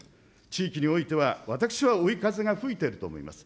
地域においては私は追い風が吹いてると思います。